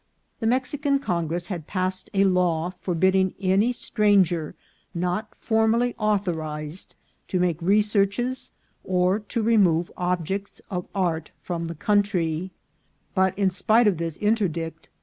The Mexican Congress had passed a law forbidding any stranger not formally au thorized to make researches or to remove objects of art from the country ; but, in spite of this interdict, M.